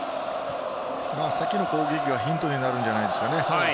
さっきの攻撃がヒントになるんじゃないですかね。